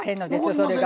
それが。